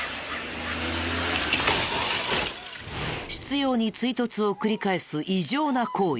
執拗に追突を繰り返す異常な行為。